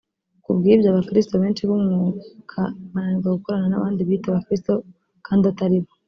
Kubw’ibyo abakiristu benshi b’umwuka bananirwa gukorana n’abandi biyita abakiristo kandi atari bo